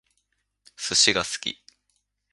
寿司が好き